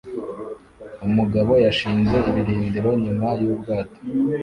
Umugabo yashinze ibirindiro nyuma yubwato